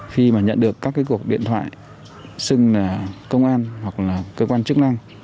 khi mà nhận được các cuộc điện thoại xưng công an hoặc là cơ quan chức năng